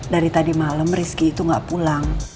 dari tadi malam rizky itu gak pulang